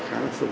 khá là sâu rộng